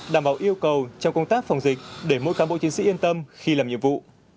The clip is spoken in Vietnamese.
đảm bảo yêu cầu trong công tác phòng dịch để mỗi cán bộ chiến sĩ yên tâm khi làm nhiệm vụ